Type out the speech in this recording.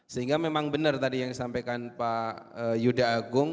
sehingga memang benar tadi yang disampaikan pak yuda agung